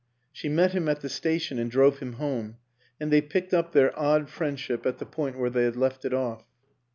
She met him at the station and drove him home, and they picked up their odd friendship at the point where they had left it off.